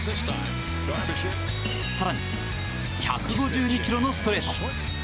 更に１５２キロのストレート！